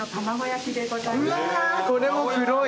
これも黒い。